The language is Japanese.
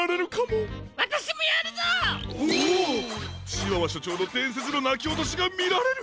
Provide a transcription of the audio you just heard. チワワしょちょうのでんせつのなきおとしがみられる？